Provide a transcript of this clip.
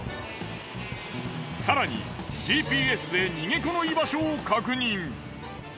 更にＧＰＳで逃げ子の居場所を確認。